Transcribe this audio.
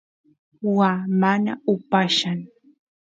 waa mana upallan